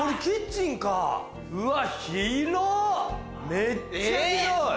めっちゃ広い。